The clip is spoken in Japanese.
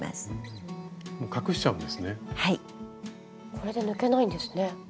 これで抜けないんですね。